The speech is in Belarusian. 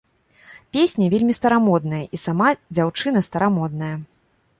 Песня вельмі старамодная і сама дзяўчына старамодная.